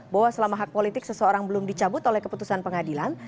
bahwa selama hak politik seseorang belum dicabut oleh keputusan pengadilan